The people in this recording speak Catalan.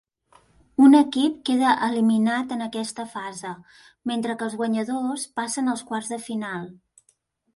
Un equip queda eliminat en aquesta fase, mentre que els guanyadors passen als quarts de final.